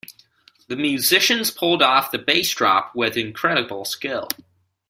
The musicians pulled off the bass drop with incredible skill.